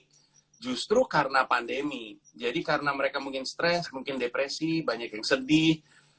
jadi justru karena pandemi jadi karena mereka mungkin stress mungkin depresi banyak yang sedih